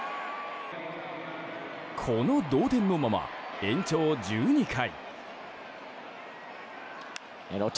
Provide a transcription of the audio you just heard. この同点のまま、延長１２回。